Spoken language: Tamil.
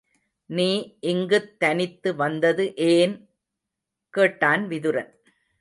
நீ இங்குத் தனித்து வந்தது ஏன்? கேட்டான் விதுரன்.